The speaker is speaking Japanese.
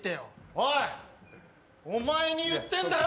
おいお前に言ってんだよ！